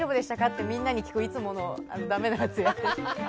ってみんなに聞くいつものだめなやつやって。